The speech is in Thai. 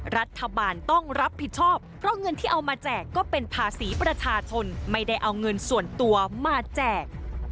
รัฐบาลต้องรับผิดชอบเพราะเงินที่เอามาแจกก็เป็นภาษีประชาชนไม่ได้เอาเงินส่วนตัวมาแจก